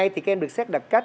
thì các em được xét đặt cách